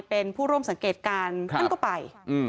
เป็นผู้ร่วมสังเกตการณ์ท่านก็ไป